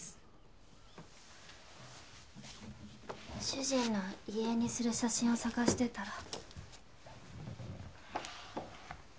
主人の遺影にする写真を探してたら。